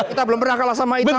kita belum pernah kalah sama ita